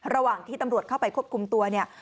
ระหว่างที่ตำรวจเข้าไปควบคุมตัวเนี่ย